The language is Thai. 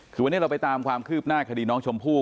คือวันนี้เราไปตามความคืบหน้าคดีน้องชมพู่